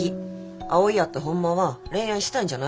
葵やってほんまは恋愛したいんじゃないの？